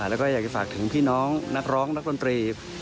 แล้วก็อยากจะฝากถึงพี่น้องนักร้องนักดนตรี